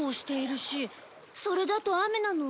それだと雨なの？